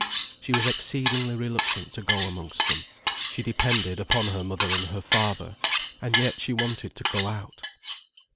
She was exceedingly reluctant to go amongst them. She depended upon her mother and her father. And yet she wanted to go out.